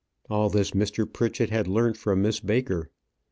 All this Mr. Pritchett had learnt from Miss Baker.